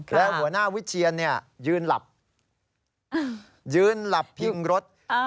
แล้วหัวหน้าวิเชียนยืนหลับยืนหลับพิงรถ